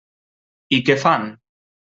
I què fan?